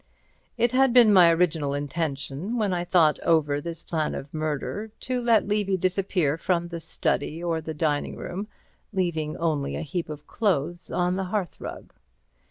It had been my original intention, when I thought over this plan of murder, to let Levy disappear from the study or the dining room, leaving only a heap of clothes on the hearth rug.